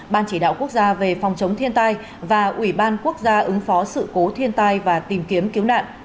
ban chỉ đạo quốc gia về phòng chống thiên tai và ubnd ứng phó sự cố thiên tai và tìm kiếm cứu nạn